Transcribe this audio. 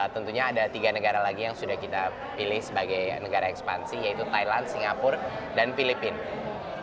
tentunya ada tiga negara lagi yang sudah kita pilih sebagai negara ekspansi yaitu thailand singapura dan filipina